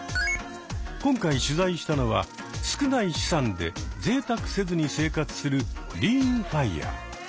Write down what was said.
今回取材したのは少ない資産でぜいたくせずに生活する「リーンＦＩＲＥ」。